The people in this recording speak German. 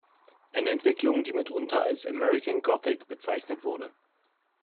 Eine Entwicklung, die mitunter als "American Gothic" bezeichnet wurde.